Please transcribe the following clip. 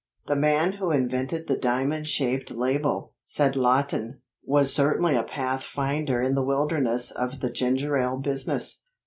"The man who invented the diamond shaped label," said Lawton, "was certainly a pathfinder in the wilderness of the ginger ale business.